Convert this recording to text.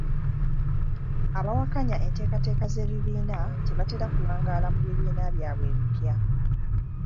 Abawakanya enteekateeka z'ebibiina tebatera kuwangaala mu bibiina byabwe ebipya.